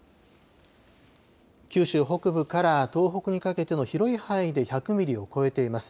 九州北部から東北にかけての広い範囲で１００ミリを超えています。